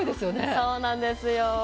そうなんですよ。